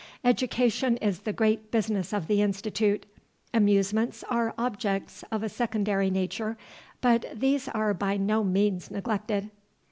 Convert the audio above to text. "Education is the great business of the Institute. Amusements are objects of a secondary nature; but these are by no means neglected....